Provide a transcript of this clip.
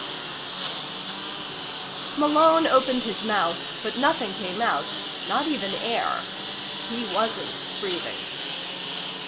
5 Malone opened his mouth, but nothing came out. Not even air. He wasn't breathing.